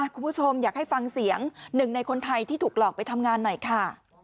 คุณผู้ชมอยากให้ฟังเสียงหนึ่งในคนไทยที่ถูกหลอกไปทำงานหน่อยค่ะ